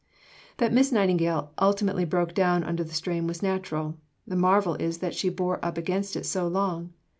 That Miss Nightingale ultimately broke down under the strain was natural; the marvel is that she bore up against it so long.